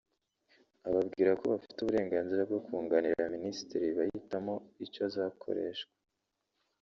ababwira ko bafite uburenganzira bwo kunganira Minisiteri bahitamo icyo azakoreshwa